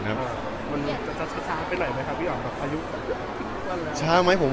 คุณสามารถเจ้าเท่าไหร่บ้าง